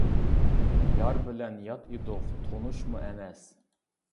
يار بىلەن يات ئىدۇق، تونۇشمۇ ئەمەس.